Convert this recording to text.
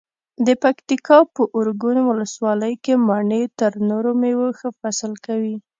د پکتیکا په ارګون ولسوالۍ کې مڼې تر نورو مېوو ښه فصل کوي.